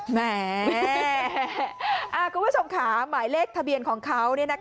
แหม่คุณผู้ชมขาหมายเลขทะเบียนของเขาเนี่ยนะคะ